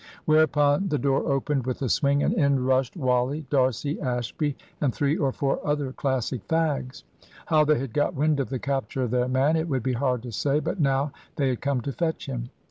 Whereupon the door opened with a swing, and in rushed Wally, D'Arcy, Ashby, and three or four other Classic fags. How they had got wind of the capture of their man it would be hard to say; but now they had come to fetch him.